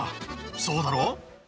そうだろ？